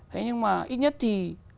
thế nhưng mà ít nhất thì